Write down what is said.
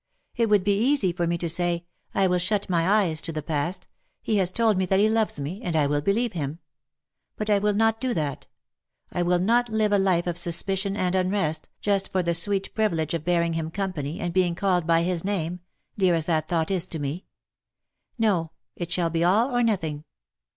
It would be easy for me to say — I will shut my eyes to the past: he has told me that he loves me — and I will believe him. But I will not do that. I will not live a life of suspicion and unrest^ just for the sweet privilege of bearing him company, and being called by his name — dear as that thought is to me. No, it shall be all or nothing.